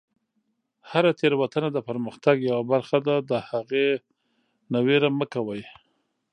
هره تیروتنه د پرمختګ یوه برخه ده، د هغې نه ویره مه کوئ.